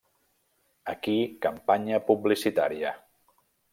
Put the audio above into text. Aquí Campanya publicitària.